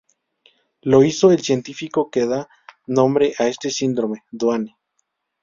Lo hizo el científico que da nombre a este síndrome, Duane.